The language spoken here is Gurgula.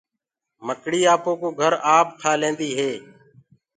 مڪڙيٚ آپو ڪو گھر آپ تيآر ڪرليندي هي۔